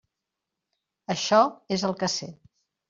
Això és el que sé.